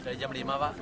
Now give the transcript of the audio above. dari jam lima pak